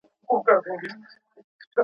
اوس به څه ليكې شاعره.